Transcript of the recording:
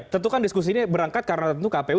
tentukan diskusi ini berangkat karena tentu kpu